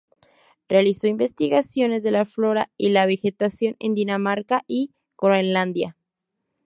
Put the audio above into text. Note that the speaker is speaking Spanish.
Realizó investigaciones de la flora y la vegetación en Dinamarca, y Groenlandia.